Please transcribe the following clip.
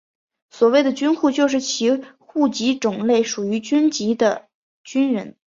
所谓的军户就是其户籍种类属于军籍的军人。